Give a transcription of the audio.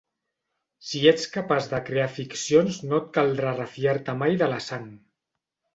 Si ets capaç de crear ficcions no et caldrà refiar-te mai de la sang.